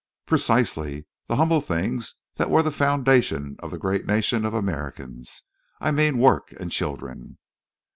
"Precisely. The humble things that were the foundation of the great nation of Americans. I meant work and children."